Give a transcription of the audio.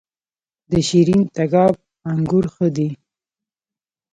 د شیرین تګاب انګور ښه دي